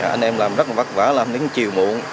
anh em làm rất là vất vả làm đến chiều muộn